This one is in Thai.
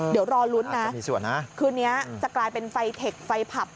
เดี๋ยวรอลุ้นนะคืนนี้จะกลายเป็นไฟเทคไฟผับ